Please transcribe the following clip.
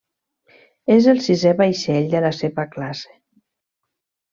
És el sisè vaixell de la seva classe.